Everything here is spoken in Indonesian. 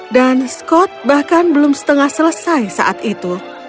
dan scott bahkan belum setengah selesai saat itu